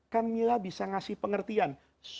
kan mila bisa ngasih pengertian